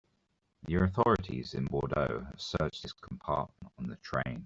The authorities in Bordeaux have searched his compartment on the train.